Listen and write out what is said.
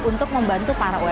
untuk membantu para penonton